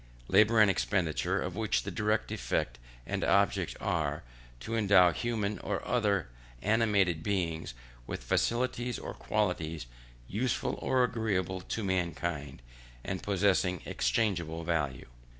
Labour and expenditure, of which the direct effect and object are, to endow human or other animated beings with faculties or qualities useful or agreeable to mankind, and possessing exchangeable value.